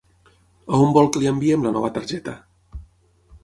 On vol que li enviem la nova targeta?